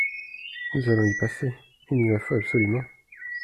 Nous allons y passer… il nous la faut absolument…